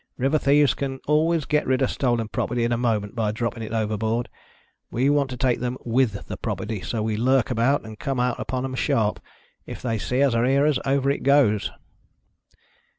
River thieves can always get rid of stolen property in a moment by dropping it overboard. We want to take them with the property, so we lurk about and come out upon 'em sharp. If they see us or hear us, over it goes."